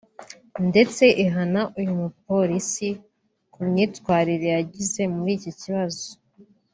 ndetse ihana uyu mupolisi ku myitwarire yagize muri iki kibazo